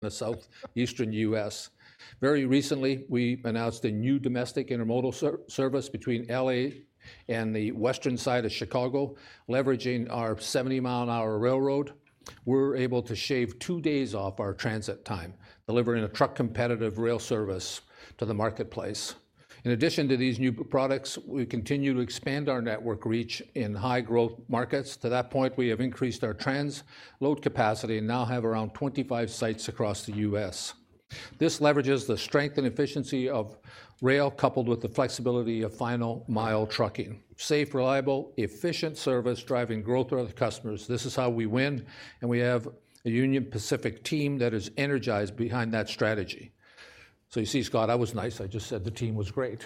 The Southeastern U.S. Very recently, we announced a new Domestic Intermodal service between L.A. and the western side of Chicago. Leveraging our 70-mile-an-hour railroad, we're able to shave two days off our transit time, delivering a truck-competitive rail service to the marketplace. In addition to these new products, we continue to expand our network reach in high-growth markets. To that point, we have increased our transload capacity and now have around 25 sites across the U.S. This leverages the strength and efficiency of rail, coupled with the flexibility of final-mile trucking. Safe, reliable, efficient service, driving growth for our customers, this is how we win, and we have a Union Pacific team that is energized behind that strategy. So you see, Scott, I was nice. I just said the team was great.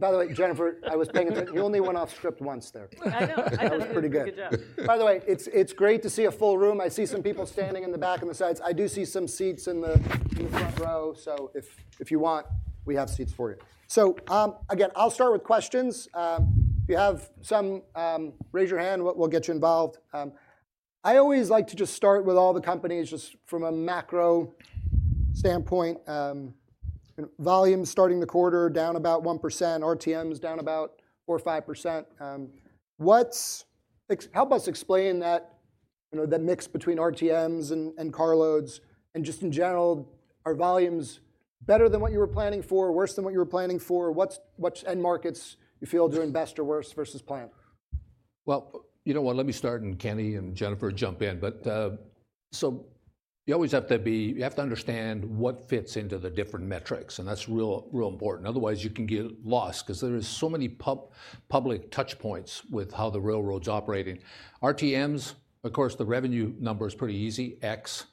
By the way, Jennifer, I was paying attention. You only went off script once there. I know, I know. That was pretty good. Good job. By the way, it's great to see a full room. I see some people standing in the back and the sides. I do see some seats in the front row, so if you want, we have seats for you. So, again, I'll start with questions. If you have some, raise your hand. We'll get you involved. I always like to just start with all the companies, just from a macro standpoint. Volume starting the quarter down about 1%, RTMs down about 4%-5%. What's... help us explain that, you know, that mix between RTMs and carloads, and just in general, are volumes better than what you were planning for, worse than what you were planning for? What's, which end markets you feel are doing best or worse versus plan? Well, you know what? Let me start, and Kenny and Jennifer jump in. But, so you always have to be, you have to understand what fits into the different metrics, and that's real, real important. Otherwise, you can get lost, 'cause there are so many public touchpoints with how the railroad's operating. RTMs, of course, the revenue number is pretty easy, X.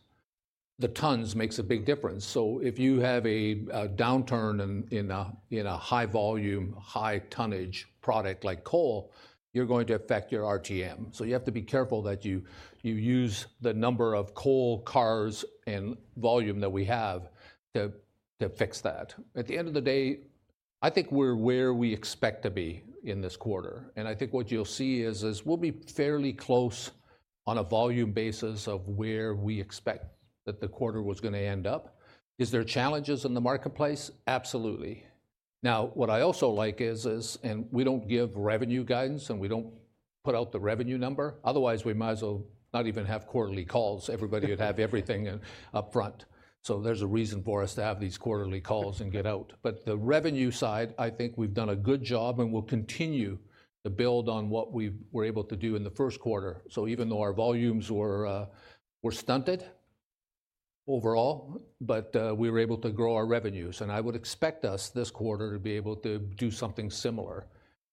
The tons makes a big difference, so if you have a downturn in a high-volume, high-tonnage product like coal, you're going to affect your RTM. So you have to be careful that you use the number of coal cars and volume that we have to fix that. At the end of the day, I think we're where we expect to be in this quarter, and I think what you'll see is we'll be fairly close on a volume basis of where we expect that the quarter was gonna end up. Is there challenges in the marketplace? Absolutely. Now, what I also like is. And we don't give revenue guidance, and we don't put out the revenue number. Otherwise, we might as well not even have quarterly calls. Everybody would have everything upfront. So there's a reason for us to have these quarterly calls and get out. But the revenue side, I think we've done a good job, and we'll continue to build on what we were able to do in the first quarter. So even though our volumes were, were stunted overall, but, we were able to grow our revenues, and I would expect us this quarter to be able to do something similar.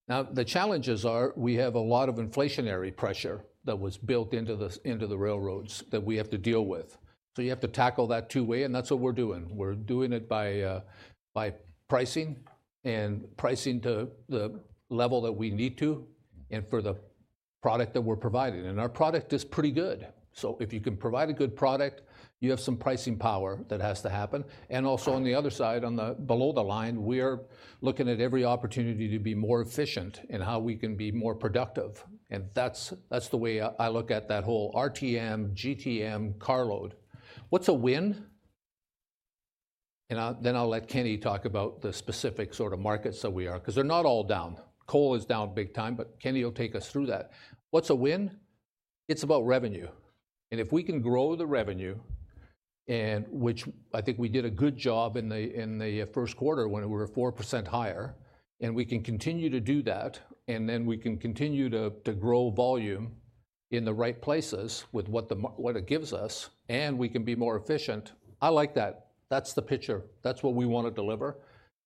Now, the challenges are, we have a lot of inflationary pressure that was built into the, into the railroads that we have to deal with. So you have to tackle that two-way, and that's what we're doing. We're doing it by, by pricing, and pricing to the level that we need to and for the product that we're providing, and our product is pretty good. So if you can provide a good product, you have some pricing power that has to happen. And also, on the other side, on the below the line, we are looking at every opportunity to be more efficient in how we can be more productive, and that's the way I look at that whole RTM, GTM, carload. What's a win? Then I'll let Kenny talk about the specific sort of markets that we are... 'Cause they're not all down. Coal is down big time, but Kenny will take us through that. What's a win? It's about revenue, and if we can grow the revenue, which I think we did a good job in the first quarter, when we were 4% higher, and we can continue to do that, and then we can continue to grow volume in the right places with what the mar- what it gives us, and we can be more efficient, I like that. That's the picture. That's what we want to deliver,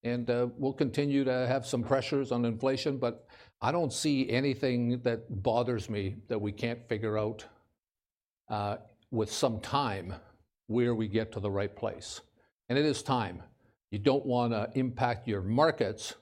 and we'll continue to have some pressures on inflation, but I don't see anything that bothers me that we can't figure out with some time, where we get to the right place. And it is time. You don't wanna impact your markets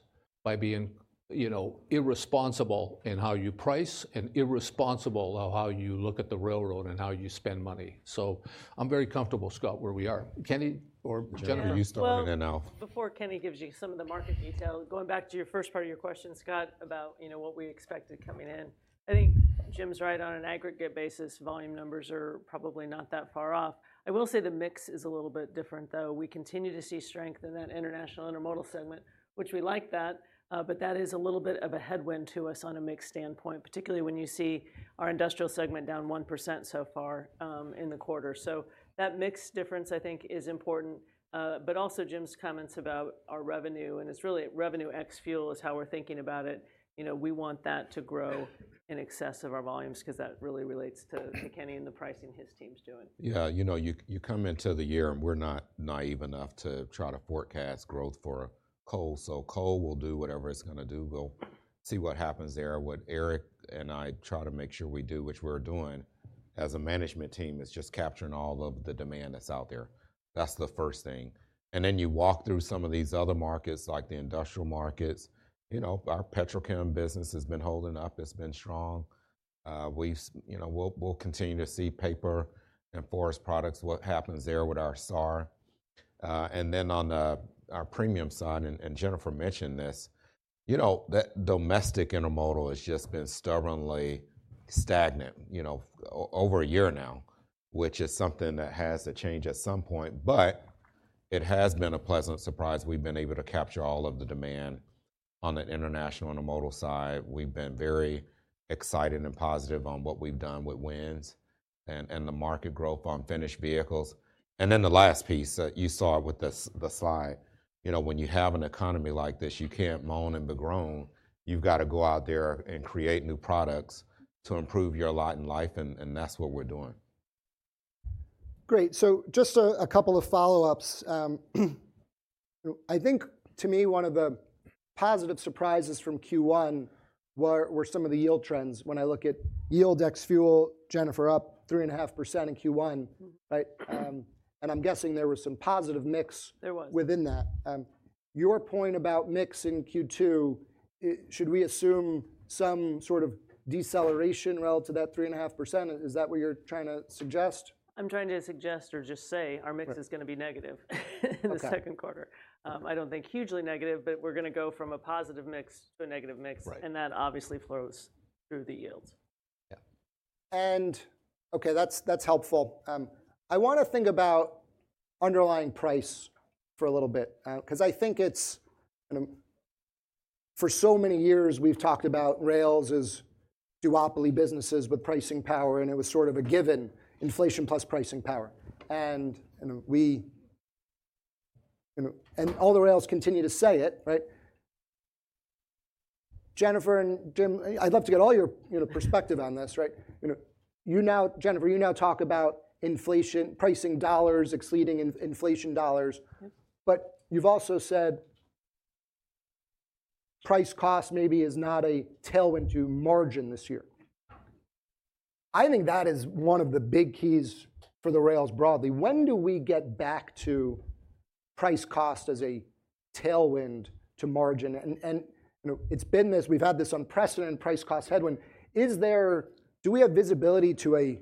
by being, you know, irresponsible in how you price and irresponsible of how you look at the railroad and how you spend money. So I'm very comfortable, Scott, where we are. Kenny or Jennifer? Kenny, you start on it now. Well, before Kenny gives you some of the market detail, going back to your first part of your question, Scott, about, you know, what we expected coming in, I think Jim's right. On an aggregate basis, volume numbers are probably not that far off. I will say the mix is a little bit different, though. We continue to see strength in that International Intermodal segment, which we like that, but that is a little bit of a headwind to us on a mix standpoint, particularly when you see our Industrial segment down 1% so far, in the quarter. So that mix difference, I think, is important. But also, Jim's comments about our revenue, and it's really revenue ex fuel is how we're thinking about it. You know, we want that to grow in excess of our volumes, 'cause that really relates to Kenny and the pricing his team's doing. Yeah, you know, you come into the year, and we're not naive enough to try to forecast growth for coal. So coal will do whatever it's gonna do. We'll see what happens there. What Eric and I try to make sure we do, which we're doing as a management team, is just capturing all of the demand that's out there. That's the first thing. And then you walk through some of these other markets, like the industrial markets. You know, our petrochem business has been holding up. It's been strong. You know, we'll continue to see paper and forest products, what happens there with our SAR-... And then on the, our Premium side, and Jennifer mentioned this, you know, that domestic intermodal has just been stubbornly stagnant, you know, over a year now, which is something that has to change at some point. But it has been a pleasant surprise we've been able to capture all of the demand on the international intermodal side. We've been very excited and positive on what we've done with wins and the market growth on finished vehicles. And then the last piece, you saw with the the slide, you know, when you have an economy like this, you can't moan and groan. You've gotta go out there and create new products to improve your lot in life, and that's what we're doing. Great, so just a couple of follow-ups. I think to me, one of the positive surprises from Q1 were some of the yield trends. When I look at yield ex fuel, Jennifer, up 3.5% in Q1- Mm. right? And I'm guessing there was some positive mix- There was... within that. Your point about mix in Q2, should we assume some sort of deceleration relative to that 3.5%? Is that what you're trying to suggest? I'm trying to suggest or just say- Right... our mix is gonna be negative in the second quarter. Okay. I don't think hugely negative, but we're gonna go from a positive mix to a negative mix. Right. That obviously flows through the yields. Yeah. And okay, that's, that's helpful. I wanna think about underlying price for a little bit, 'cause I think it's, you know, for so many years, we've talked about rails as duopoly businesses with pricing power, and it was sort of a given, inflation plus pricing power. And, you know, we... you know, and all the rails continue to say it, right? Jennifer and Jim, I'd love to get all your, you know, perspective on this, right. You know, you now, Jennifer, you now talk about inflation, pricing dollars exceeding inflation dollars. Mm. But you've also said, price-cost maybe is not a tailwind to margin this year. I think that is one of the big keys for the rails broadly. When do we get back to price-cost as a tailwind to margin? And, you know, it's been this, we've had this unprecedented price-cost headwind. Is there... Do we have visibility to a, you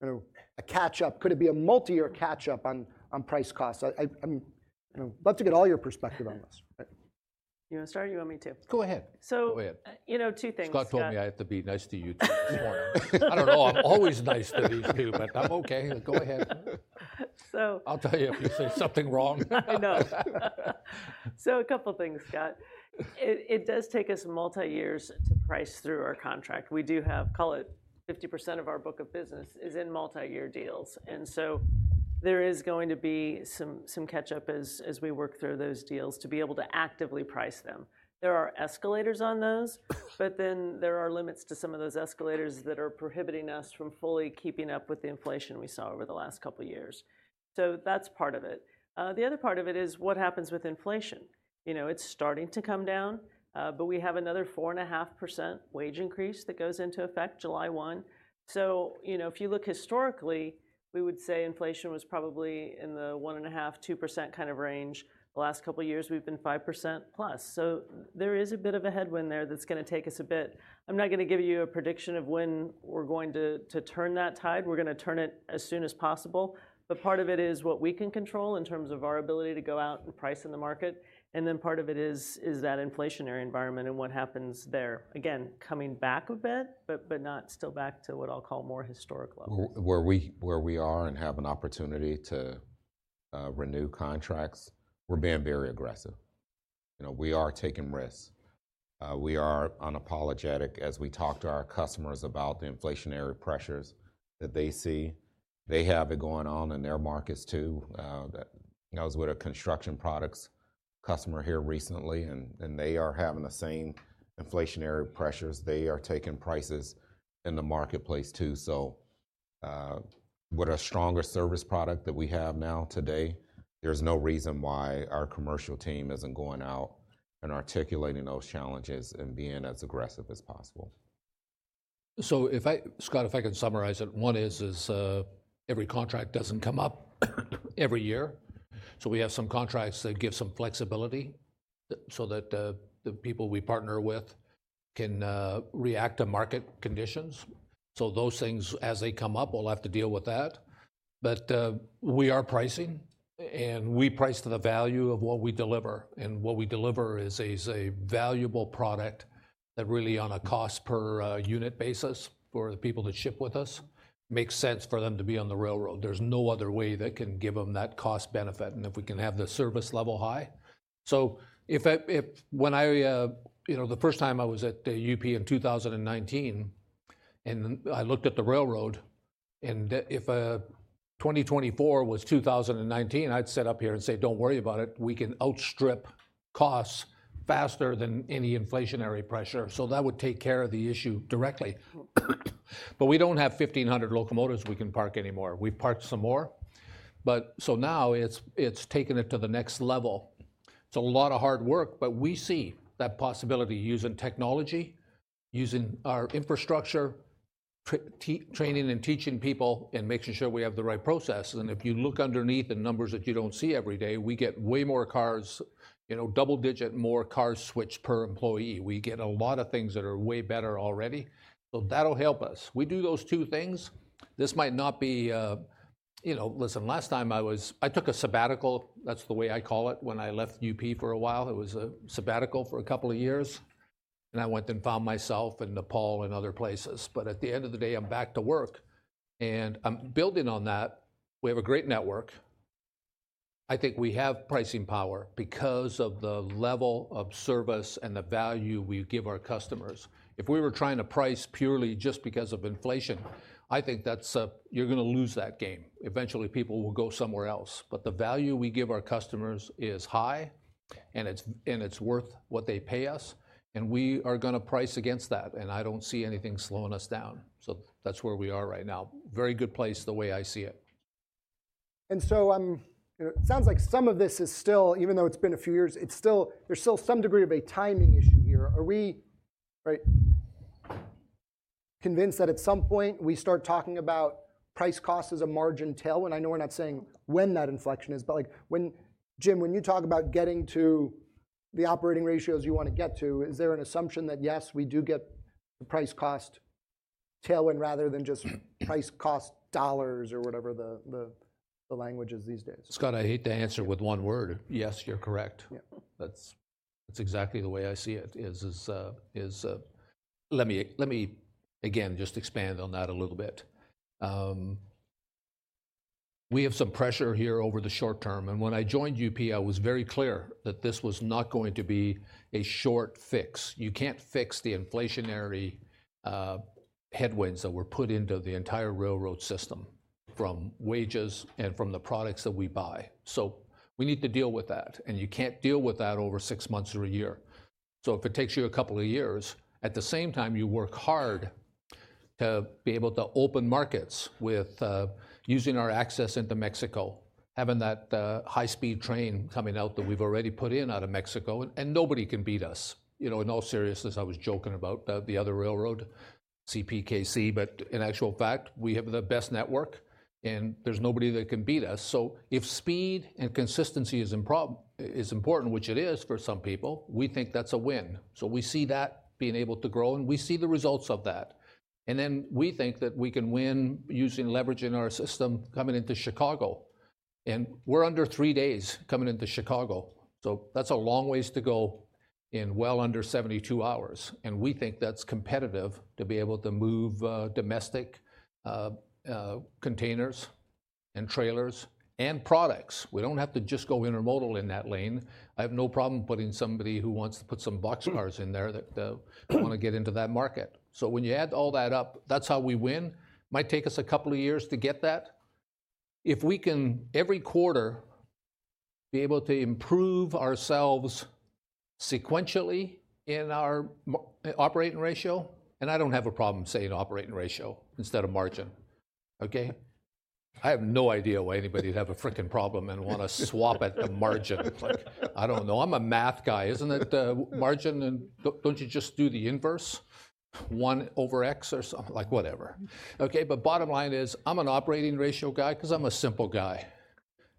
know, a catch-up? Could it be a multi-year catch-up on price-cost? I love to get all your perspective on this, but. You wanna start, or you want me to? Go ahead. So- Go ahead. You know, two things, Scott. Scott told me I have to be nice to you two this morning. I don't know. I'm always nice to these two, but I'm okay. Go ahead. So- I'll tell you if you say something wrong. I know. So a couple things, Scott. It does take us multi-years to price through our contract. We do have, call it 50% of our book of business is in multi-year deals, and so there is going to be some catch-up as we work through those deals to be able to actively price them. There are escalators on those, but then there are limits to some of those escalators that are prohibiting us from fully keeping up with the inflation we saw over the last couple years. So that's part of it. The other part of it is, what happens with inflation? You know, it's starting to come down, but we have another 4.5% wage increase that goes into effect July 1. So, you know, if you look historically, we would say inflation was probably in the 1.5%-2% kind of range. The last couple years, we've been 5%+. So there is a bit of a headwind there that's gonna take us a bit. I'm not gonna give you a prediction of when we're going to, to turn that tide. We're gonna turn it as soon as possible. But part of it is what we can control in terms of our ability to go out and price in the market. And then part of it is, is that inflationary environment and what happens there. Again, coming back a bit, but, but not still back to what I'll call more historic levels. Where we are and have an opportunity to renew contracts, we're being very aggressive. You know, we are taking risks. We are unapologetic as we talk to our customers about the inflationary pressures that they see. They have it going on in their markets, too. That, I was with a construction products customer here recently, and they are having the same inflationary pressures. They are taking prices in the marketplace, too. So, with a stronger service product that we have now today, there's no reason why our commercial team isn't going out and articulating those challenges and being as aggressive as possible. So if I, Scott, if I can summarize it, one is every contract doesn't come up every year. So we have some contracts that give some flexibility, so that the people we partner with can react to market conditions. So those things, as they come up, we'll have to deal with that. But we are pricing, and we price to the value of what we deliver. And what we deliver is a valuable product that really, on a cost per unit basis for the people that ship with us, makes sense for them to be on the railroad. There's no other way that can give them that cost benefit, and if we can have the service level high. So if I, if... When I, you know, the first time I was at UP in 2019, and I looked at the railroad, and if 2024 was 2019, I'd sit up here and say: Don't worry about it. We can outstrip costs faster than any inflationary pressure. So that would take care of the issue directly. But we don't have 1,500 locomotives we can park anymore. We've parked some more, but so now it's taken it to the next level. It's a lot of hard work, but we see that possibility, using technology, using our infrastructure, training and teaching people, and making sure we have the right processes. And if you look underneath the numbers that you don't see every day, we get way more cars, you know, double digit more cars switched per employee. We get a lot of things that are way better already, so that'll help us. We do those two things, this might not be. You know, listen, last time I was—I took a sabbatical. That's the way I call it. When I left UP for a while, it was a sabbatical for a couple of years.... and I went and found myself in Nepal and other places. But at the end of the day, I'm back to work, and I'm building on that. We have a great network. I think we have pricing power because of the level of service and the value we give our customers. If we were trying to price purely just because of inflation, I think that's, you're gonna lose that game. Eventually, people will go somewhere else. But the value we give our customers is high, and it's worth what they pay us, and we are gonna price against that, and I don't see anything slowing us down. So that's where we are right now. Very good place, the way I see it. And so, it sounds like some of this is still... Even though it's been a few years, it's still—there's still some degree of a timing issue here. Are we, right, convinced that at some point, we start talking about price-cost as a margin tailwind? I know we're not saying when that inflection is, but, like, when—Jim, when you talk about getting to the operating ratios you want to get to, is there an assumption that, yes, we do get the price-cost tailwind rather than just price-cost dollars or whatever the language is these days? Scott, I hate to answer with one word. Yes, you're correct. Yeah. That's exactly the way I see it. Let me again just expand on that a little bit. We have some pressure here over the short term, and when I joined UP, I was very clear that this was not going to be a short fix. You can't fix the inflationary headwinds that were put into the entire railroad system, from wages and from the products that we buy. So we need to deal with that, and you can't deal with that over six months or a year. So if it takes you a couple of years, at the same time, you work hard to be able to open markets with using our access into Mexico, having that high-speed train coming out that we've already put in out of Mexico, and nobody can beat us. You know, in all seriousness, I was joking about the, the other railroad, CPKC, but in actual fact, we have the best network, and there's nobody that can beat us. So if speed and consistency is important, which it is for some people, we think that's a win. So we see that being able to grow, and we see the results of that. And then we think that we can win using leverage in our system coming into Chicago, and we're under 3 days coming into Chicago. So that's a long ways to go in well under 72 hours, and we think that's competitive to be able to move domestic containers and trailers and products. We don't have to just go intermodal in that lane. I have no problem putting somebody who wants to put some boxcars in there that. Want to get into that market. So when you add all that up, that's how we win. Might take us a couple of years to get that. If we can, every quarter, be able to improve ourselves sequentially in our operating ratio, and I don't have a problem saying operating ratio instead of margin, okay? I have no idea why anybody would have a fricking problem and want to swap out a margin. Like, I don't know. I'm a math guy. Isn't it, margin, and don't you just do the inverse, one over X or something? Like, whatever. Okay, but bottom line is, I'm an operating ratio guy because I'm a simple guy.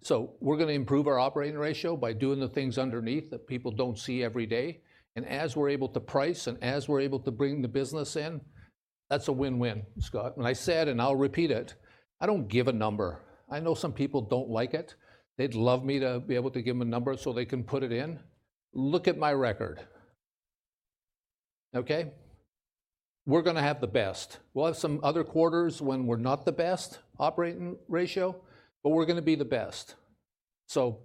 So we're gonna improve our operating ratio by doing the things underneath that people don't see every day. And as we're able to price, and as we're able to bring the business in, that's a win-win, Scott. And I said, and I'll repeat it, I don't give a number. I know some people don't like it. They'd love me to be able to give them a number so they can put it in. Look at my record, okay? We're gonna have the best. We'll have some other quarters when we're not the best operating ratio, but we're gonna be the best. So,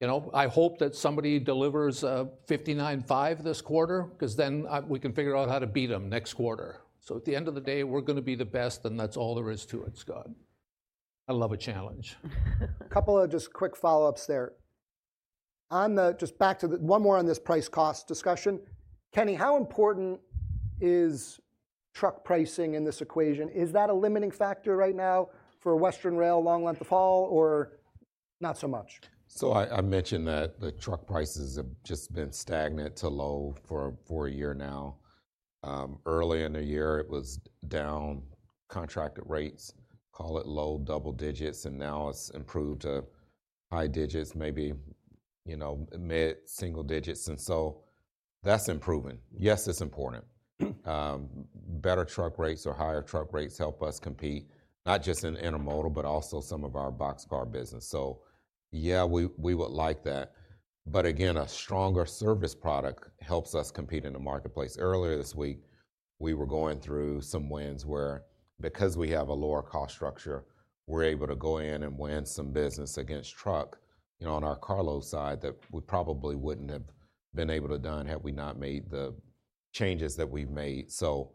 you know, I hope that somebody delivers 59.5 this quarter, because then we can figure out how to beat them next quarter. So at the end of the day, we're gonna be the best, and that's all there is to it, Scott. I love a challenge. A couple of just quick follow-ups there. One more on this price-cost discussion. Kenny, how important is truck pricing in this equation? Is that a limiting factor right now for western rail, long length of haul, or not so much? So I mentioned that the truck prices have just been stagnant too low for a year now. Early in the year, it was down, contracted rates, call it low double digits, and now it's improved to high digits, maybe, you know, mid-single digits, and so that's improving. Yes, it's important. Better truck rates or higher truck rates help us compete, not just in intermodal but also some of our boxcar business. So yeah, we would like that, but again, a stronger service product helps us compete in the marketplace. Earlier this week, we were going through some wins where, because we have a lower cost structure, we're able to go in and win some business against truck, you know, on our carload side, that we probably wouldn't have been able to do had we not made the changes that we've made. So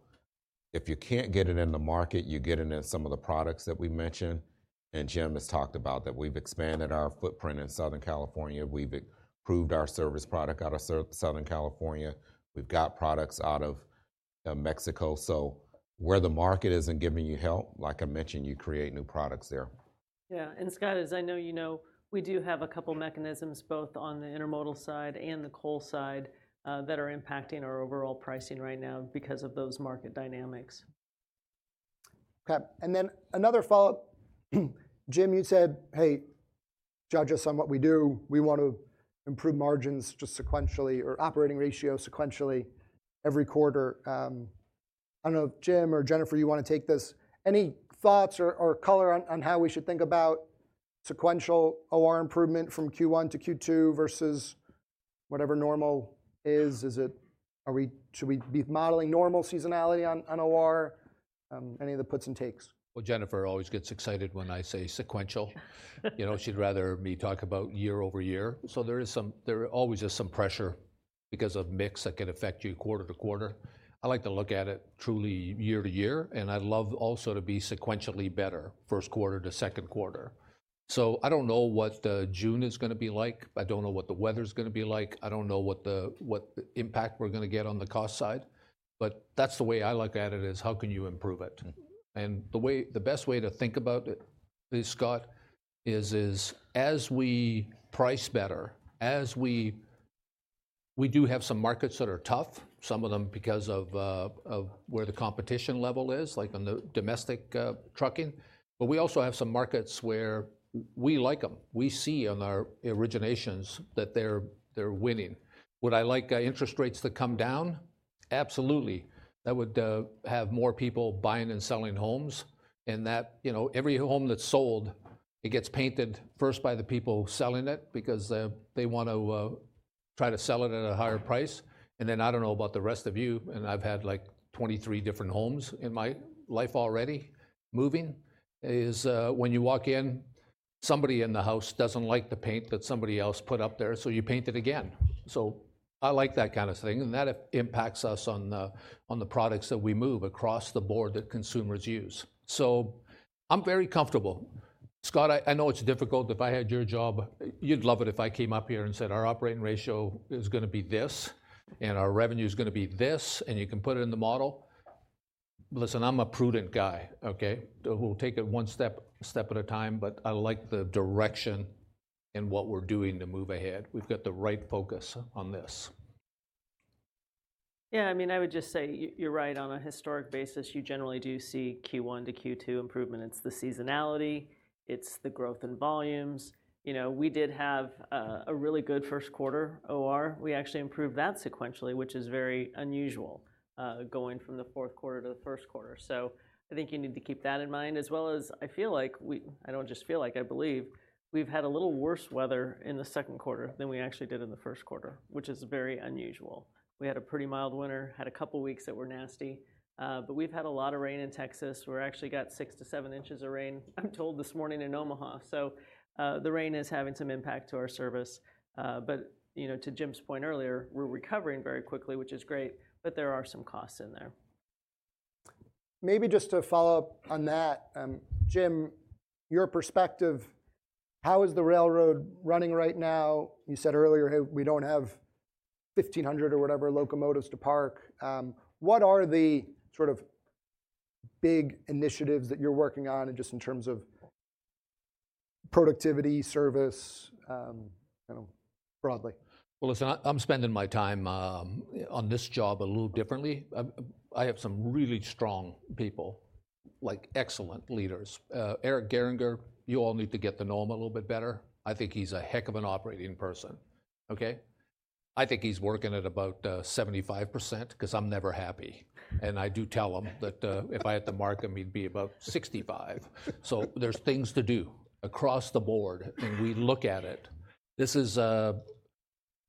if you can't get it in the market, you get it in some of the products that we've mentioned, and Jim has talked about, that we've expanded our footprint in Southern California. We've improved our service product out of Southern California. We've got products out of Mexico. So where the market isn't giving you help, like I mentioned, you create new products there. Yeah, and Scott, as I know you know, we do have a couple mechanisms, both on the intermodal side and the coal side, that are impacting our overall pricing right now because of those market dynamics. Okay, and then another follow-up. Jim, you said, "Hey, judge us on what we do. We want to improve margins just sequentially or operating ratio sequentially every quarter." I don't know if, Jim or Jennifer, you want to take this. Any thoughts or color on how we should think about sequential OR improvement from Q1 to Q2 versus whatever normal is. Should we be modeling normal seasonality on OR, any of the puts and takes? Well, Jennifer always gets excited when I say sequential. You know, she'd rather me talk about year-over-year. So there is some, there always is some pressure because of mix that can affect you quarter-to-quarter. I like to look at it truly year-to-year, and I'd love also to be sequentially better first-quarter to second-quarter. So I don't know what June is gonna be like. I don't know what the weather's gonna be like. I don't know what the, what impact we're gonna get on the cost side, but that's the way I look at it, is how can you improve it? Mm. And the best way to think about it is, Scott, is as we price better, as we. We do have some markets that are tough, some of them because of where the competition level is, like on the domestic trucking, but we also have some markets where we like them. We see on our originations that they're winning. Would I like interest rates to come down? Absolutely. That would have more people buying and selling homes, and that, you know, every home that's sold, it gets painted first by the people selling it because they want to try to sell it at a higher price. And then I don't know about the rest of you, and I've had, like, 23 different homes in my life already, moving is when you walk in, somebody in the house doesn't like the paint that somebody else put up there, so you paint it again. So I like that kind of thing, and that impacts us on the products that we move across the board that consumers use. So I'm very comfortable. Scott, I know it's difficult. If I had your job, you'd love it if I came up here and said, "Our operating ratio is gonna be this, and our revenue's gonna be this, and you can put it in the model." Listen, I'm a prudent guy, okay? We'll take it one step at a time, but I like the direction in what we're doing to move ahead. We've got the right focus on this. Yeah, I mean, I would just say, you're right. On a historic basis, you generally do see Q1 to Q2 improvement. It's the seasonality. It's the growth in volumes. You know, we did have a really good first quarter OR. We actually improved that sequentially, which is very unusual, going from the fourth quarter to the first quarter. So I think you need to keep that in mind as well as I feel like we... I don't just feel like, I believe, we've had a little worse weather in the second quarter than we actually did in the first quarter, which is very unusual. We had a pretty mild winter, had a couple weeks that were nasty, but we've had a lot of rain in Texas, where we actually got 6-7 inches of rain, I'm told, this morning in Omaha. The rain is having some impact to our service. But, you know, to Jim's point earlier, we're recovering very quickly, which is great, but there are some costs in there. Maybe just to follow up on that, Jim, your perspective, how is the railroad running right now? You said earlier, hey, we don't have 1,500 or whatever locomotives to park. What are the sort of big initiatives that you're working on and just in terms of productivity, service, you know, broadly? Well, listen, I'm spending my time on this job a little differently. I have some really strong people, like, excellent leaders. Eric Gehringer, you all need to get to know him a little bit better. I think he's a heck of an operating person, okay? I think he's working at about 75% 'cause I'm never happy, and I do tell him that if I had to mark him, he'd be about 65. So there's things to do across the board, and we look at it. This is.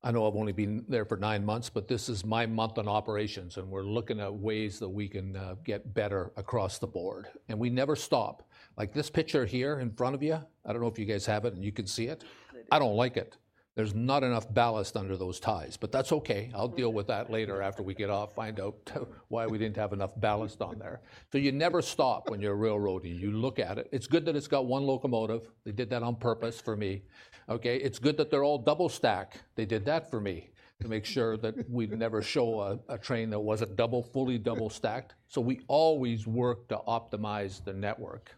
I know I've only been there for nine months, but this is my month in operations, and we're looking at ways that we can get better across the board, and we never stop. Like, this picture here in front of you, I don't know if you guys have it, and you can see it- We do. I don't like it. There's not enough ballast under those ties, but that's okay. I'll deal with that later after we get off, find out why we didn't have enough ballast on there. So you never stop when you're a railroader. You look at it. It's good that it's got one locomotive. They did that on purpose for me, okay? It's good that they're all double stack. They did that for me to make sure that we'd never show a train that wasn't double, fully double stacked. So we always work to optimize the network.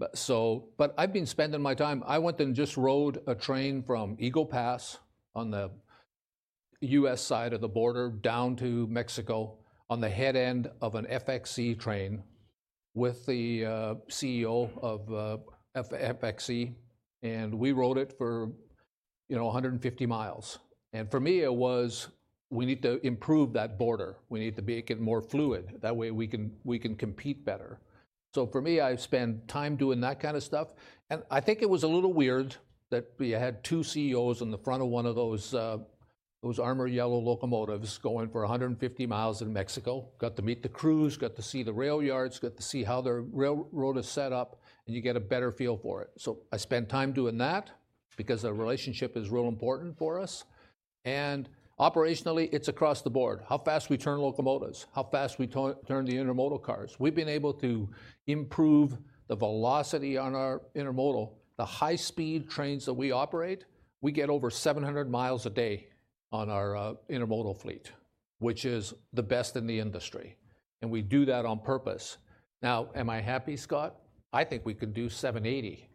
But so, but I've been spending my time. I went and just rode a train from Eagle Pass on the U.S. side of the border, down to Mexico on the head end of an FXE train with the CEO of FXE, and we rode it for, you know, 150 miles. And for me, it was we need to improve that border. We need to make it more fluid. That way, we can compete better. So for me, I've spent time doing that kind of stuff, and I think it was a little weird that we had two CEOs on the front of one of those Armour Yellow locomotives going for 150 miles in Mexico. Got to meet the crews, got to see the rail yards, got to see how their railroad is set up, and you get a better feel for it. So I spent time doing that because their relationship is real important for us, and operationally, it's across the board. How fast we turn locomotives, how fast we turn the intermodal cars. We've been able to improve the velocity on our intermodal. The high-speed trains that we operate, we get over 700 miles a day on our intermodal fleet, which is the best in the industry, and we do that on purpose. Now, am I happy, Scott? I think we could do 780,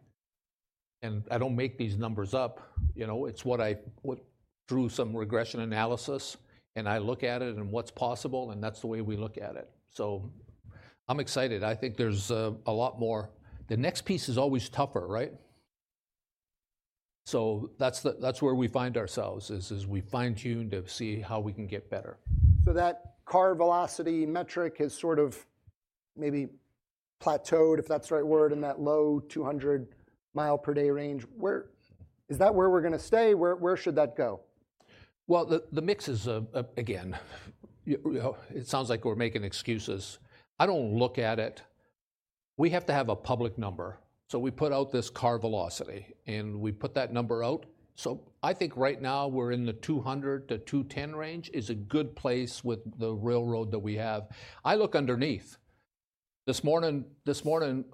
and I don't make these numbers up. You know, it's what I went through some regression analysis, and I look at it and what's possible, and that's the way we look at it. So I'm excited. I think there's a lot more... The next piece is always tougher, right?... So that's the, that's where we find ourselves is, is we fine-tune to see how we can get better. So that car velocity metric has sort of maybe plateaued, if that's the right word, in that low 200-mile-per-day range. Where is that where we're gonna stay? Where, where should that go? Well, the mix is, again, it sounds like we're making excuses. I don't look at it. We have to have a public number, so we put out this car velocity, and we put that number out. So I think right now we're in the 200-210 range is a good place with the railroad that we have. I look underneath. This morning,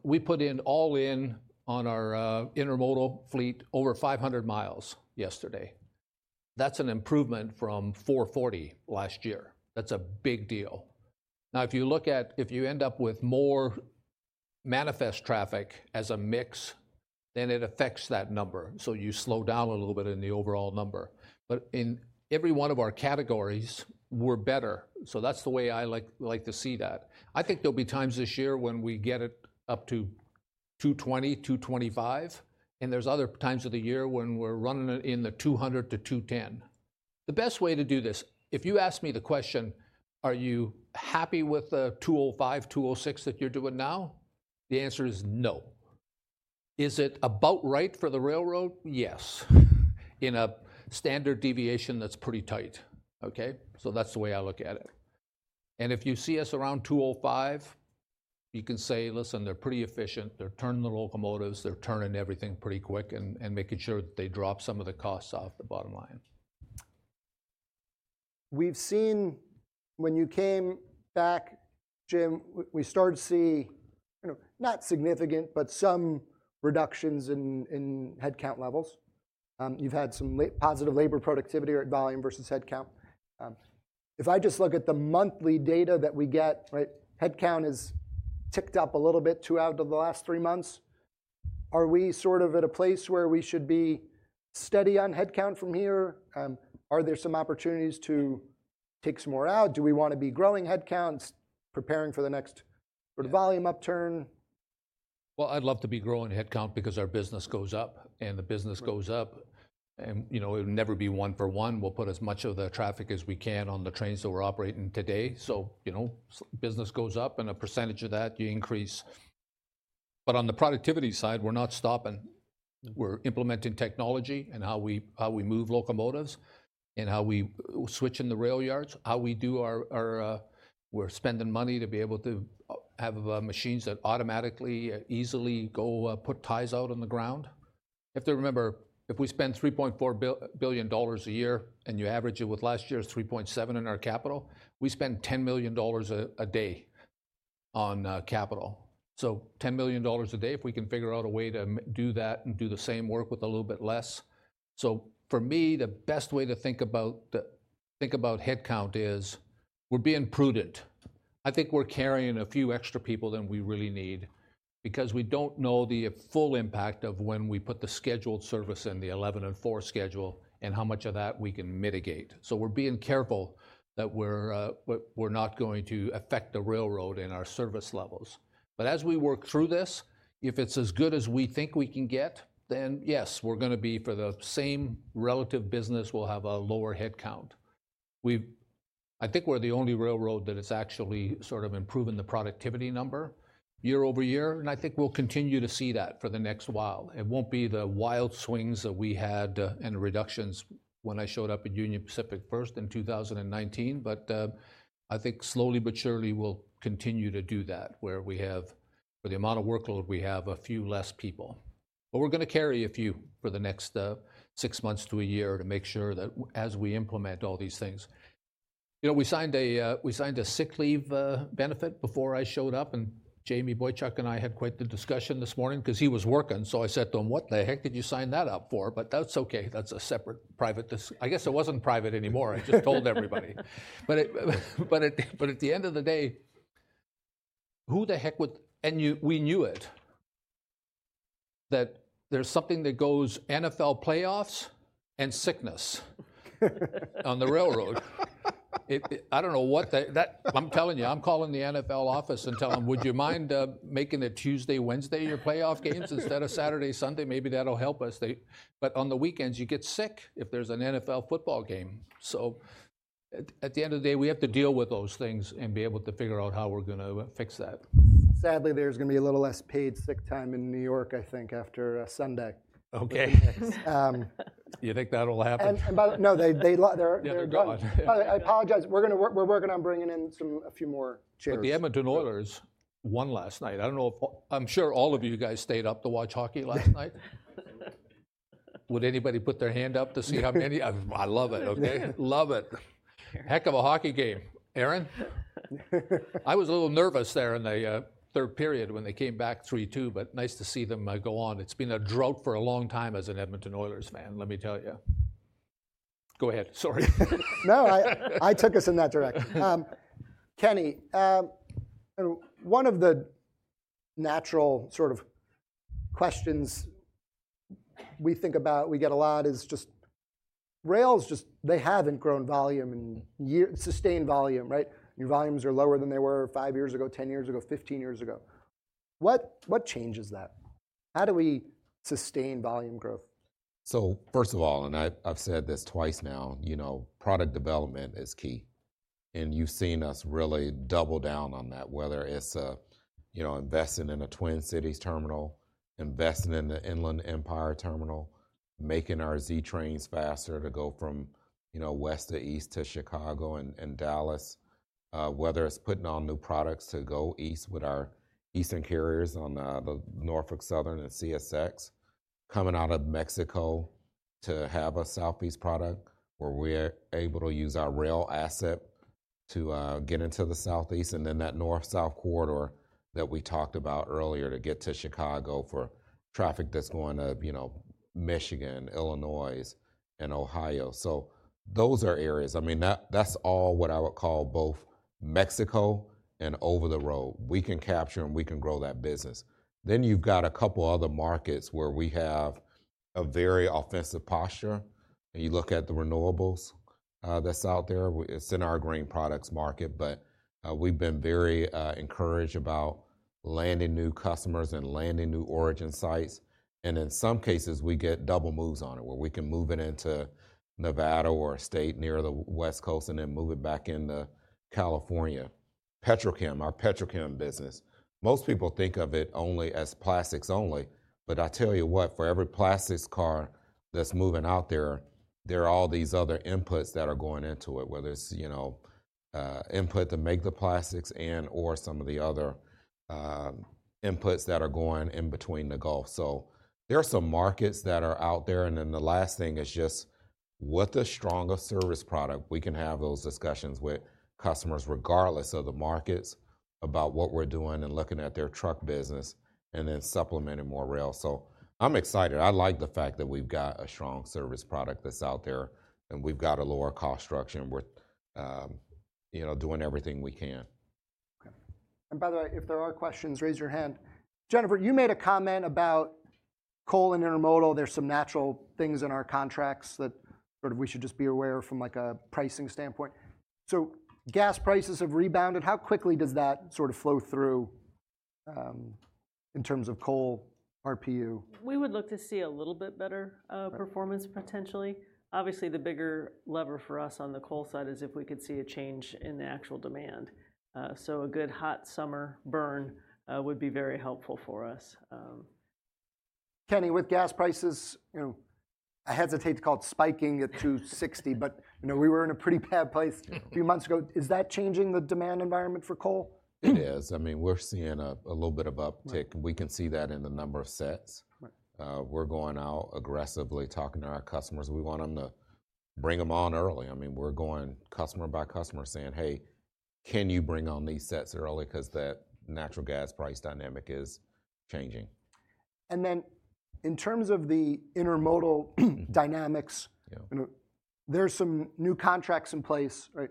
we put in all in on our intermodal fleet over 500 miles yesterday. That's an improvement from 440 last year. That's a big deal. Now, if you end up with more manifest traffic as a mix, then it affects that number, so you slow down a little bit in the overall number. But in every one of our categories, we're better, so that's the way I like to see that. I think there'll be times this year when we get it up to 220, 225, and there's other times of the year when we're running it in the 200-210. The best way to do this, if you ask me the question, "Are you happy with the 205, 206 that you're doing now?" The answer is no. Is it about right for the railroad? Yes. In a standard deviation that's pretty tight, okay? So that's the way I look at it, and if you see us around 205, you can say, "Listen, they're pretty efficient. They're turning the locomotives. They're turning everything pretty quick and, and making sure that they drop some of the costs off the bottom line. We've seen when you came back, Jim, we started to see, you know, not significant, but some reductions in headcount levels. You've had some positive labor productivity or volume versus headcount. If I just look at the monthly data that we get, right, headcount is ticked up a little bit, two out of the last three months. Are we sort of at a place where we should be steady on headcount from here? Are there some opportunities to take some more out? Do we want to be growing headcounts, preparing for the next- Yeah... for the volume upturn? Well, I'd love to be growing headcount because our business goes up, and the business goes up, and, you know, it'll never be one for one. We'll put as much of the traffic as we can on the trains that we're operating today, so, you know, business goes up, and a percentage of that, you increase. But on the productivity side, we're not stopping. We're implementing technology in how we move locomotives and how we switch in the rail yards, how we do our. We're spending money to be able to have machines that automatically easily go put ties out on the ground. If they... Remember, if we spend $3.4 billion a year, and you average it with last year's $3.7 billion in our capital, we spend $10 million a day on capital. So $10 million a day, if we can figure out a way to do that and do the same work with a little bit less. So for me, the best way to think about headcount is we're being prudent. I think we're carrying a few extra people than we really need because we don't know the full impact of when we put the scheduled service in the 11 and 4 schedule and how much of that we can mitigate. So we're being careful that we're not going to affect the railroad and our service levels. But as we work through this, if it's as good as we think we can get, then yes, we're gonna be for the same relative business, we'll have a lower headcount. I think we're the only railroad that is actually sort of improving the productivity number year-over-year, and I think we'll continue to see that for the next while. It won't be the wild swings that we had and the reductions when I showed up at Union Pacific first in 2019, but I think slowly but surely we'll continue to do that, where we have, for the amount of workload we have, a few less people. But we're gonna carry a few for the next six months to a year to make sure that as we implement all these things. You know, we signed a sick leave benefit before I showed up, and Jamie Boychuk and I had quite the discussion this morning 'cause he was working. So I said to him, "What the heck did you sign that up for?" But that's okay. That's a separate private discussion. I guess it wasn't private anymore. I just told everybody. But at the end of the day, who the heck would... We knew it, that there's something that goes with NFL playoffs and sickness on the railroad. I don't know what that—I'm telling you, I'm calling the NFL office and telling them, "Would you mind making it Tuesday, Wednesday, your playoff games, instead of Saturday, Sunday? Maybe that'll help us." They... But on the weekends, you get sick if there's an NFL football game. So at the end of the day, we have to deal with those things and be able to figure out how we're gonna fix that. Sadly, there's gonna be a little less paid sick time in New York, I think, after Sunday. Okay. You think that'll happen? No, they’re. Yeah, they're gone. I apologize. We're working on bringing in some, a few more chairs. But the Edmonton Oilers won last night. I don't know if... I'm sure all of you guys stayed up to watch hockey last night. Would anybody put their hand up to see how many? I, I love it, okay? Love it. Heck of a hockey game. Aaron? I was a little nervous there in the third period when they came back 3-2, but nice to see them go on. It's been a drought for a long time as an Edmonton Oilers fan, let me tell you. Go ahead, sorry. No, I took us in that direction. Kenny, and one of the natural sort of questions we think about, we get a lot, is just rails just, they haven't grown volume in years, sustained volume, right? Your volumes are lower than they were 5 years ago, 10 years ago, 15 years ago. What changes that? How do we sustain volume growth? So first of all, and I, I've said this twice now, you know, product development is key, and you've seen us really double down on that, whether it's, you know, investing in a Twin Cities terminal, investing in the Inland Empire Terminal, making our Z trains faster to go from, you know, west to east to Chicago and, and Dallas. Whether it's putting on new products to go east with our eastern carriers on, the Norfolk Southern and CSX. Coming out of Mexico to have a Southeast product, where we're able to use our rail asset to, get into the Southeast, and then that north-south corridor that we talked about earlier to get to Chicago for traffic that's going to, you know, Michigan, Illinois, and Ohio. So those are areas... I mean, that- that's all what I would call both Mexico and over the road. We can capture, and we can grow that business. Then you've got a couple other markets where we have a very offensive posture, and you look at the renewables, that's out there. It's in our green products market, but we've been very encouraged about landing new customers and landing new origin sites, and in some cases, we get double moves on it, where we can move it into Nevada or a state near the West Coast, and then move it back into California. Petrochem, our petrochem business, most people think of it only as plastics only, but I tell you what, for every plastics car that's moving out there, there are all these other inputs that are going into it, whether it's, you know, input to make the plastics and/or some of the other inputs that are going in between the Gulf. There are some markets that are out there, and then the last thing is just, with a stronger service product, we can have those discussions with customers, regardless of the markets, about what we're doing and looking at their truck business and then supplementing more rail. I'm excited. I like the fact that we've got a strong service product that's out there, and we've got a lower cost structure, and we're, you know, doing everything we can. Okay, and by the way, if there are questions, raise your hand. Jennifer, you made a comment about coal and intermodal. There's some natural things in our contracts that sort of we should just be aware of from, like, a pricing standpoint. So gas prices have rebounded. How quickly does that sort of flow through in terms of coal RPU? We would look to see a little bit better performance potentially. Obviously, the bigger lever for us on the coal side is if we could see a change in the actual demand. So a good, hot summer burn would be very helpful for us. Kenny, with gas prices, you know, I hesitate to call it spiking at $2.60, but, you know, we were in a pretty bad place- Yeah... a few months ago. Is that changing the demand environment for coal? It is. I mean, we're seeing a little bit of uptick. Right. We can see that in the number of sets. Right. We're going out aggressively talking to our customers. We want them to bring them on early. I mean, we're going customer by customer, saying, "Hey, can you bring on these sets early?" 'Cause that natural gas price dynamic is changing. And then in terms of the intermodal - Mm-hmm... dynamics- Yeah ... there's some new contracts in place, right?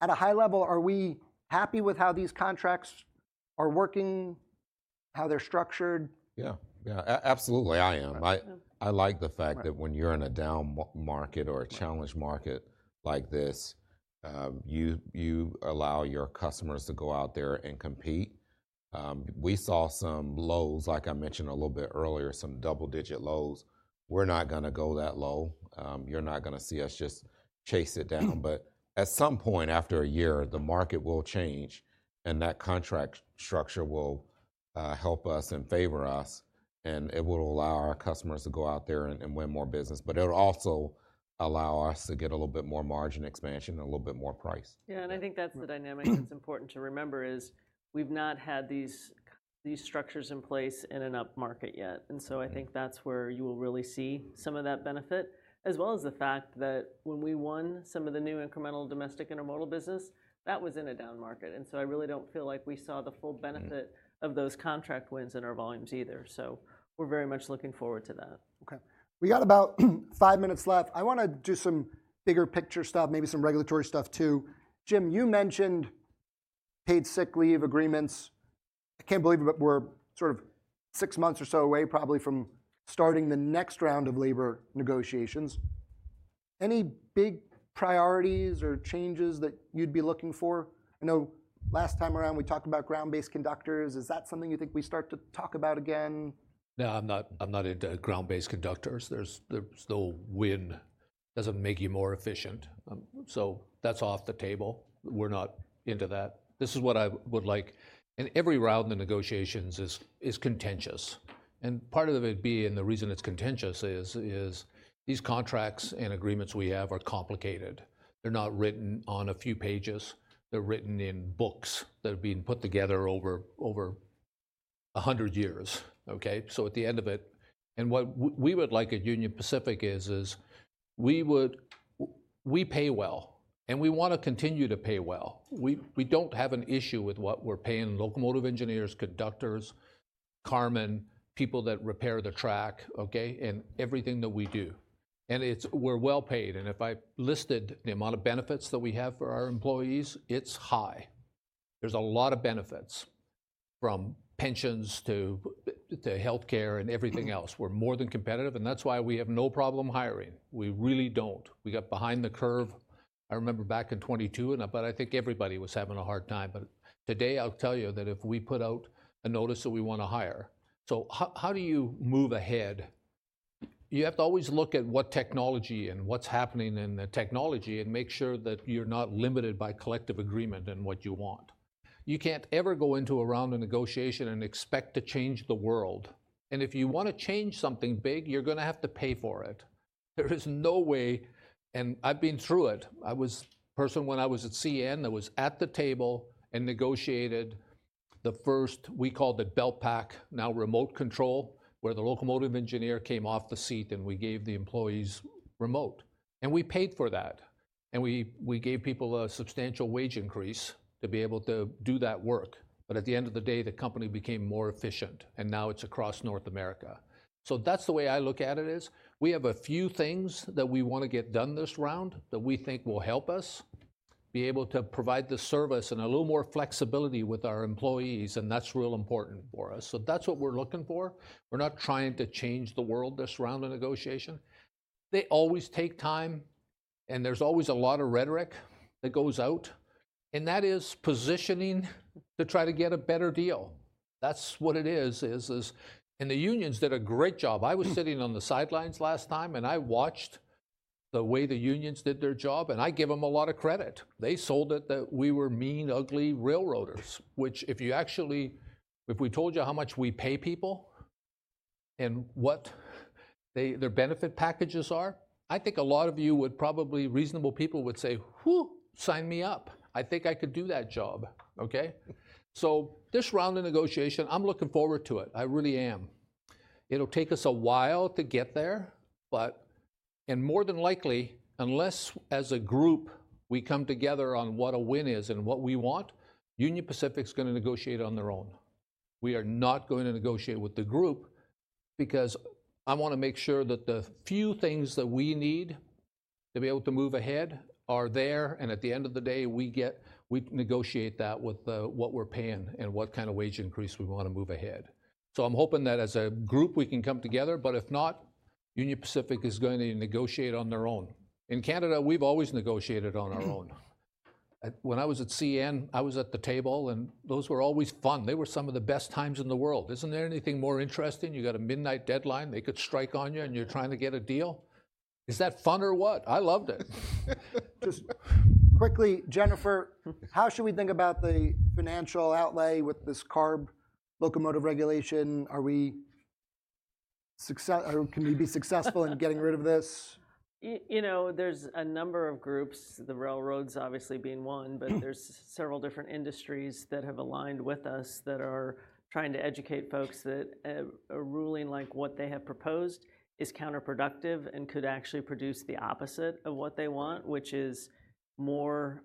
At a high level, are we happy with how these contracts are working, how they're structured? Yeah. Yeah, absolutely, I am. Mm-hmm. I like the fact- Right... that when you're in a down market or a challenged market- Right... like this, you allow your customers to go out there and compete. We saw some lows, like I mentioned a little bit earlier, some double-digit lows. We're not gonna go that low. You're not gonna see us just chase it down. But at some point, after a year, the market will change, and that contract structure will help us and favor us, and it will allow our customers to go out there and win more business. But it'll also allow us to get a little bit more margin expansion and a little bit more price. Yeah, and I think that's the dynamic- Mm-hmm... that's important to remember, is we've not had these, these structures in place in an upmarket yet. Mm-hmm. And so I think that's where you will really see some of that benefit, as well as the fact that when we won some of the new incremental domestic intermodal business, that was in a down market, and so I really don't feel like we saw the full benefit- Mm-hmm... of those contract wins in our volumes either. So we're very much looking forward to that. Okay, we got about 5 minutes left. I wanna do some bigger picture stuff, maybe some regulatory stuff, too. Jim, you mentioned paid sick leave agreements. I can't believe it, but we're sort of 6 months or so away, probably, from starting the next round of labor negotiations. Any big priorities or changes that you'd be looking for? I know last time around we talked about ground-based conductors. Is that something you think we start to talk about again? No, I'm not, I'm not into ground-based conductors. There's no win, doesn't make you more efficient, so that's off the table. We're not into that. This is what I would like... And every round in the negotiations is contentious, and part of it be, and the reason it's contentious is these contracts and agreements we have are complicated. They're not written on a few pages. They're written in books that have been put together over a hundred years, okay? So at the end of it, and what we would like at Union Pacific is we would... We pay well, and we wanna continue to pay well. We don't have an issue with what we're paying locomotive engineers, conductors, carmen, people that repair the track, okay? In everything that we do, and it's, we're well-paid, and if I listed the amount of benefits that we have for our employees, it's high. There's a lot of benefits from pensions to, to healthcare and everything else. We're more than competitive, and that's why we have no problem hiring. We really don't. We got behind the curve, I remember back in 2022, and I- but I think everybody was having a hard time. But today, I'll tell you that if we put out a notice that we wanna hire, so how, how do you move ahead? You have to always look at what technology and what's happening in the technology, and make sure that you're not limited by collective agreement in what you want. You can't ever go into a round of negotiation and expect to change the world, and if you wanna change something big, you're gonna have to pay for it. There is no way, and I've been through it. I was a person, when I was at CN, that was at the table and negotiated the first... We called it Beltpack, now remote control, where the locomotive engineer came off the seat, and we gave the employees remote. And we paid for that, and we gave people a substantial wage increase to be able to do that work. But at the end of the day, the company became more efficient, and now it's across North America. So that's the way I look at it, is we have a few things that we wanna get done this round that we think will help us be able to provide the service and a little more flexibility with our employees, and that's real important for us. So that's what we're looking for. We're not trying to change the world this round of negotiation. They always take time, and there's always a lot of rhetoric that goes out, and that is positioning to try to get a better deal. That's what it is... And the unions did a great job. I was sitting on the sidelines last time, and I watched the way the unions did their job, and I give them a lot of credit. They sold it that we were mean, ugly railroaders, which, if we told you how much we pay people and what they, their benefit packages are, I think a lot of you would probably, reasonable people would say, "Woo! Sign me up. I think I could do that job." Okay? So this round of negotiation, I'm looking forward to it. I really am. It'll take us a while to get there, but ... More than likely, unless as a group we come together on what a win is and what we want, Union Pacific's gonna negotiate on their own. We are not going to negotiate with the group because I wanna make sure that the few things that we need to be able to move ahead are there, and at the end of the day, we negotiate that with what we're paying and what kind of wage increase we wanna move ahead. So I'm hoping that as a group, we can come together, but if not, Union Pacific is going to negotiate on their own. In Canada, we've always negotiated on our own. When I was at CN, I was at the table, and those were always fun. They were some of the best times in the world. Isn't there anything more interesting? You got a midnight deadline, they could strike on you, and you're trying to get a deal. Is that fun or what? I loved it. Just quickly, Jennifer, how should we think about the financial outlay with this CARB locomotive regulation? Are we successful or can we be successful in getting rid of this? You know, there's a number of groups, the railroads obviously being one- Hmm... but there's several different industries that have aligned with us, that are trying to educate folks that a ruling like what they have proposed is counterproductive and could actually produce the opposite of what they want, which is more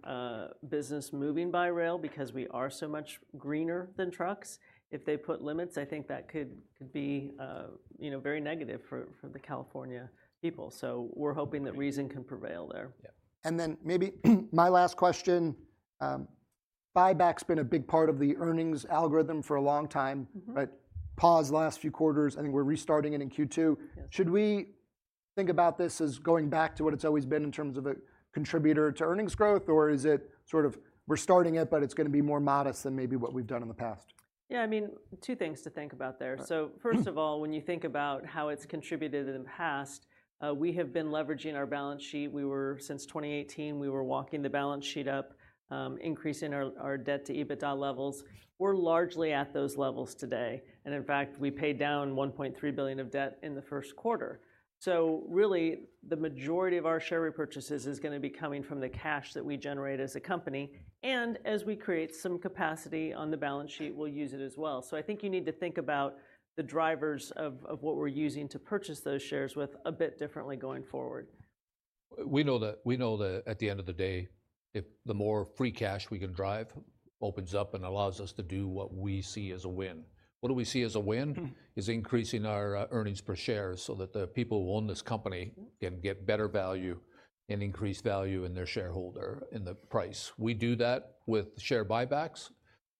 business moving by rail because we are so much greener than trucks. If they put limits, I think that could be, you know, very negative for the California people. So we're hoping that reason can prevail there. Yeah. And then maybe my last question, buyback's been a big part of the earnings algorithm for a long time. Mm-hmm. Right? Paused last few quarters, I think we're restarting it in Q2. Yeah. Should we think about this as going back to what it's always been in terms of a contributor to earnings growth, or is it sort of we're starting it, but it's gonna be more modest than maybe what we've done in the past? Yeah, I mean, two things to think about there. Right. So first of all, when you think about how it's contributed in the past, we have been leveraging our balance sheet. Since 2018, we were walking the balance sheet up, increasing our debt to EBITDA levels. We're largely at those levels today, and in fact, we paid down $1.3 billion of debt in the first quarter. So really, the majority of our share repurchases is gonna be coming from the cash that we generate as a company, and as we create some capacity on the balance sheet, we'll use it as well. So I think you need to think about the drivers of what we're using to purchase those shares with a bit differently going forward. We know that, we know that at the end of the day, if the more free cash we can drive opens up and allows us to do what we see as a win. What do we see as a win? Mm-hmm. Is increasing our earnings per share so that the people who own this company can get better value and increased value in their shareholder, in the price. We do that with share buybacks,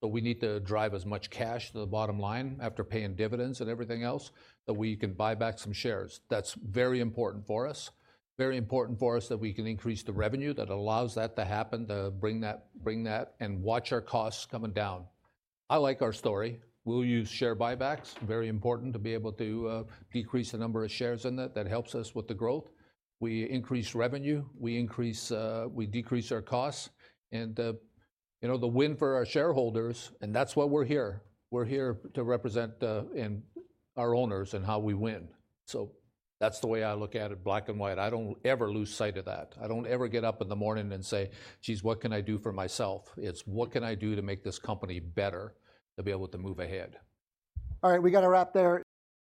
but we need to drive as much cash to the bottom line after paying dividends and everything else, that we can buy back some shares. That's very important for us. Very important for us that we can increase the revenue that allows that to happen, to bring that, bring that, and watch our costs coming down. I like our story. We'll use share buybacks, very important to be able to decrease the number of shares in it. That helps us with the growth. We increase revenue, we increase, we decrease our costs, and, you know, the win for our shareholders, and that's why we're here. We're here to represent, and our owners and how we win. So that's the way I look at it, black and white. I don't ever lose sight of that. I don't ever get up in the morning and say, "Geez, what can I do for myself?" It's, "What can I do to make this company better, to be able to move ahead? All right, we gotta wrap there.